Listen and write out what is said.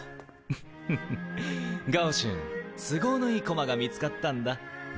フッフフ高順都合のいい駒が見つかったんだ。